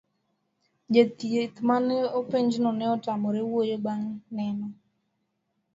jachieth mane openj no ne otamore wuoyo bang' neno